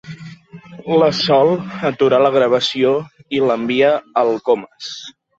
La Sol atura la gravació i l'envia al Comas.